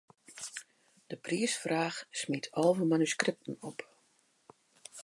De priisfraach smiet alve manuskripten op.